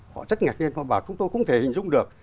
họ rất ngạc nhiên họ bảo chúng tôi không thể hình dung được